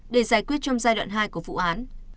để giải quyết trong giai đoạn hai của vụ án